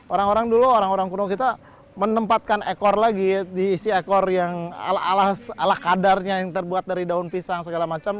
orang orang dulu orang orang kuno kita menempatkan ekor lagi diisi ekor yang ala kadarnya yang terbuat dari daun pisang segala macam